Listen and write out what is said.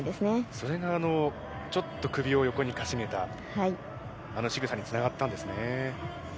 それがちょっと首を横に傾げたあのしぐさにつながったんですね。